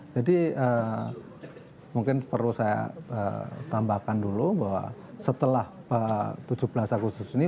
jadi mungkin perlu saya tambahkan dulu bahwa setelah tujuh belas agustus ini